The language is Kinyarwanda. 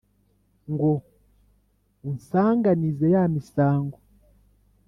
Ngo unsanganize ya misango